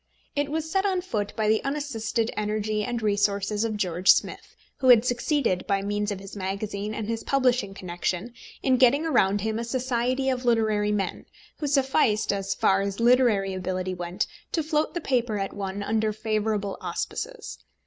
It was set on foot by the unassisted energy and resources of George Smith, who had succeeded by means of his magazine and his publishing connection in getting around him a society of literary men who sufficed, as far as literary ability went, to float the paper at once under favourable auspices.